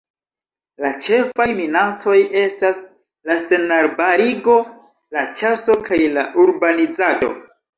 La ĉefaj minacoj estas la senarbarigo, la ĉaso kaj la urbanizado.